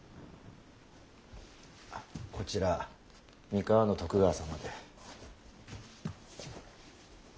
こちら三河の徳川様で。